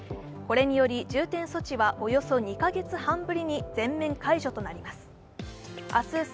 これにより重点措置はおよそ２カ月半ぶりに全面解除となります。